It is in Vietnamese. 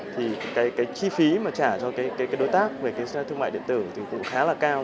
thì cái chi phí mà trả cho cái đối tác về cái thương mại điện tử thì cũng khá là cao